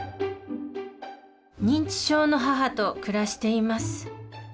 認知症の母と暮らしています。